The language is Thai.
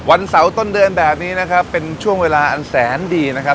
วันเสาร์ต้นเดือนแบบนี้นะครับเป็นช่วงเวลาอันแสนดีนะครับ